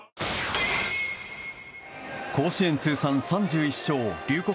甲子園通算３１勝龍谷